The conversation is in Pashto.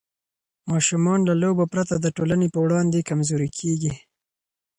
ماشومان له لوبو پرته د ټولنې په وړاندې کمزوري کېږي.